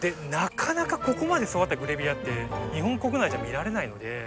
なかなかここまで育ったグレビレアって日本国内じゃ見られないので。